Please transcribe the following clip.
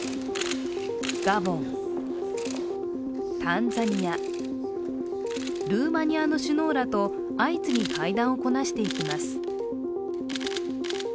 ガボン、タンザニア、ルーマニアの首脳らと相次ぎ会談をこなしていきます。